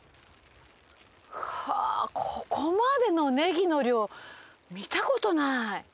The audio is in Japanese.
はぁここまでのネギの量見たことない。